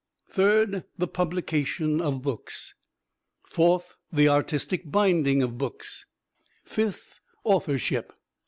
Third, the publication of books. Fourth, the artistic binding of books. Fifth, authorship.